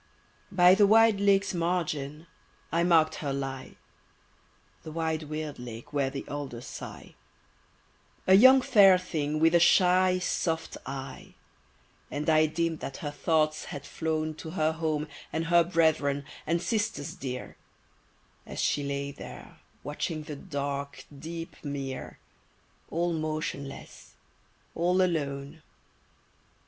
BY the wide lake's margin I mark'd her lie— The wide, weird lake where the alders sigh— A young fair thing, with a shy, soft eye; And I deem'd that her thoughts had flown To her home, and her brethren, and sisters dear, As she lay there watching the dark, deep mere, All motionless, all alone.